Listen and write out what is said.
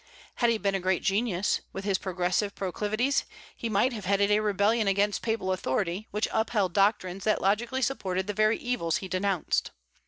Had he been a great genius, with his progressive proclivities, he might have headed a rebellion against papal authority, which upheld doctrines that logically supported the very evils he denounced.